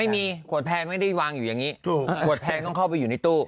ไม่มีขวดแพงไม่ได้วางอยู่อย่างนี้ถูกขวดแพงต้องเข้าไปอยู่ในตู้